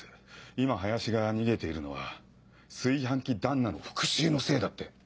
今林が逃げているのは炊飯器旦那の復讐のせいだって。